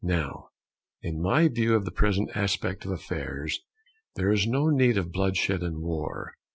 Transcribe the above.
Now, in my view of the present aspect of affairs, there is no need of bloodshed and war.